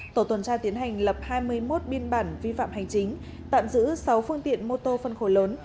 tổ tuần tra tiến hành lập hai mươi một biên bản vi phạm hành chính tạm giữ sáu phương tiện mô tô phân khối lớn